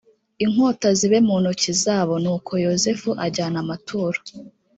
inkota ibe mu ntoki zabonuko yozefu ajyana amaturo